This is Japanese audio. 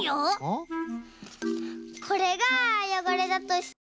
これがよごれだとして。